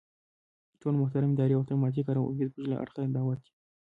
ټول محترم اداري او خدماتي کارکوونکي زمونږ له اړخه دعوت يئ.